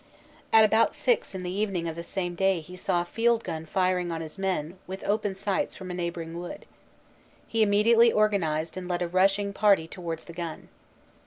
"About six in the evening of the same day he saw a field gun firing on his men with open sights from a neighboring wood. He immediately organized and led a rushing party towards the gun.